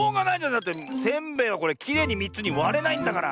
だってせんべいはこれきれいに３つにわれないんだから。